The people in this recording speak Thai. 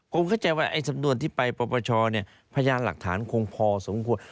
ผมเข้าใจว่าไอ้สำนวนที่ไปปรปชเนี่ยพยานหลักฐานคงพอสมควร